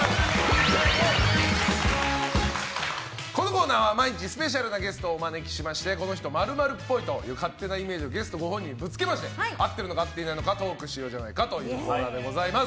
このコーナーは毎日スペシャルなゲストをお招きしてこの人○○っぽいという勝手なイメージをゲストご本人にぶつけまして合っているのか合っていないのかトークしようじゃないかというコーナーです。